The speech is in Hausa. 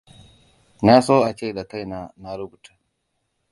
Na so ace da kaina na rubuta.